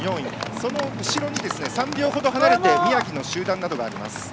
その後ろに３秒ほど離れて宮城の集団などがあります。